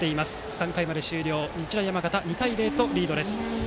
３回まで終了、日大山形２対０とリードです。